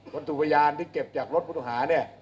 คนถูกบรรยานที่เก็บจากรถผู้ต้องหา